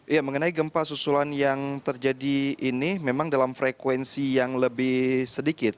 ya mengenai gempa susulan yang terjadi ini memang dalam frekuensi yang lebih sedikit